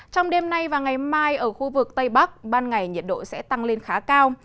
trong đêm nay và ngày mai ở khu vực tây bắc ban ngày nhiệt độ sẽ tăng lên khá cao